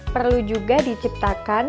perlu juga diciptakan